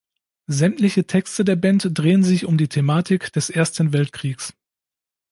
Sämtliche Texte der Band drehen sich um die Thematik des Ersten Weltkriegs.